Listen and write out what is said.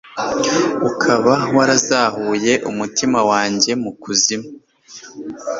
ukaba warazahuye umutima wanjye mu kuzimu